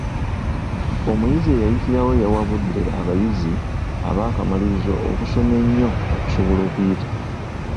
Omuyizi eyayitirawo yawabudde abayizi ab'akamalirizo okusoma ennyo okusobola okuyita.